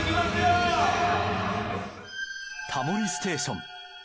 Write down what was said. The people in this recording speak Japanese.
「タモリステーション」。